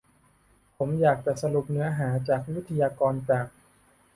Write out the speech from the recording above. ผมอยากจะสรุปเนื้อหาจากวิทยากรจาก